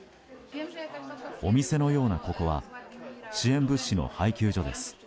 お店のようなここは支援物資の配給所です。